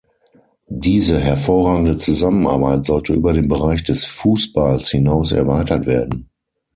Diese hervorragende Zusammenarbeit sollte über den Bereich des Fußballs hinaus erweitert werden.